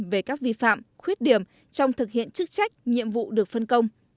về các vi phạm khuyết điểm trong thực hiện chức trách nhiệm vụ được phân công